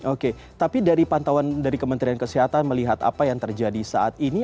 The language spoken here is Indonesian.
oke tapi dari pantauan dari kementerian kesehatan melihat apa yang terjadi saat ini